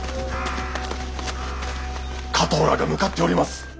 加藤らが向かっております。